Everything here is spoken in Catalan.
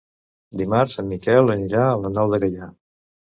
Dimarts en Miquel anirà a la Nou de Gaià.